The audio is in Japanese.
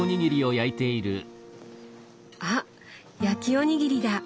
あ焼きおにぎりだ！